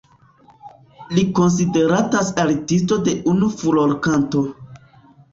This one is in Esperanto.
Li konsideratas Artisto de unu furorkanto.